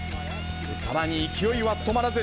さらに、勢いは止まらず。